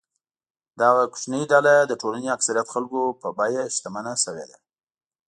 دغه کوچنۍ ډله د ټولنې اکثریت خلکو په بیه شتمنه شوې ده.